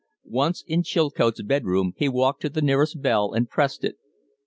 Once in Chilcote's bedroom, he walked to the nearest bell and pressed it.